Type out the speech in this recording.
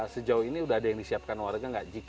sejauh ini sudah ada yang disiapkan warga nggak